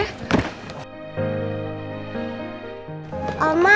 kami mau ke rumah